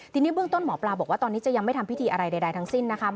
ทีนี้เบื้องต้นหมอปลาบอกว่าตอนนี้จะยังไม่ทำพิธีอะไรใดทั้งสิ้นนะคะ